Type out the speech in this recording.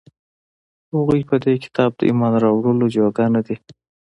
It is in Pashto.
هغوى په دې كتاب د ايمان راوړلو جوگه نه دي،